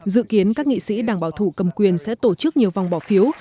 dự kiến các nghị sĩ đảng bảo thủ cầm quyền sẽ tổ chức nhiều vòng bỏ phiếu